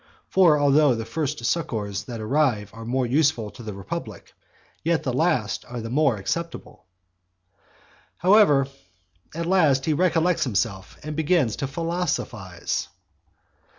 For although the first succours that arrive are more useful to the republic, yet the last are the more acceptable. XX. However, at last he recollects himself and begins to philosophize.